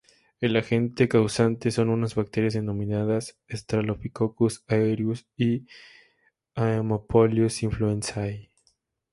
El agente causante son unas bacterias, denominadas "Staphylococcus aureus" y "Haemophilus influenzae".